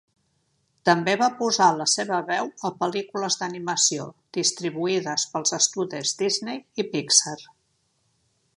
També va posar la seva veu a pel·lícules d'animació distribuïdes pels estudis Disney i Pixar.